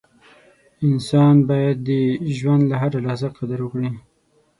• انسان باید د ژوند هره لحظه قدر وکړي.